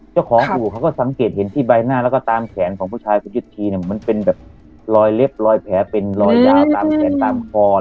อู่เขาก็สังเกตเห็นที่ใบหน้าแล้วก็ตามแขนของผู้ชายคุณยุทธทีเนี่ยมันเป็นแบบรอยเล็บรอยแผลเป็นรอยยาวตามแขนตามคอ